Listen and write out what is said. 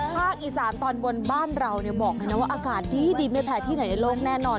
ภาคอิสานตอนบนบ้านเราเนี่ยบอกไงนะว่าอากาศที่ดินไม่แผลที่ไหนในโลกแน่นอน